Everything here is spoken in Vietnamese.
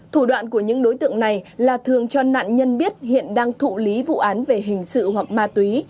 thủ đoạn của những đối tượng này là thường cho nạn nhân biết hiện đang thụ lý vụ án về hình sự hoặc ma túy